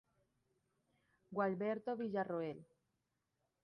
Gualberto Villarroel.